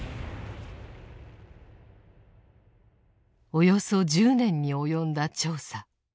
およそ１０年に及んだ調査。